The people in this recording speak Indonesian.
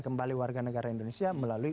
kembali warga negara indonesia melalui